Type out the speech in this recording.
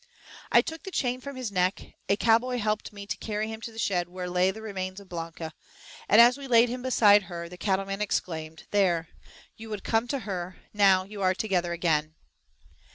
I took the chain from his neck, a cowboy helped me to carry him to the shed where lay the remains of Blanca, and as we laid him beside her, the cattle man exclaimed: "There, you would come to her, now you are together again."